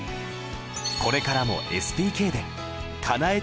これからもＳＰＫでかなえたい夢がある